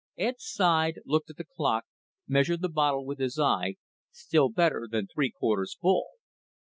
Ed sighed, looked at the clock, measured the bottle with his eye still better than three quarters full.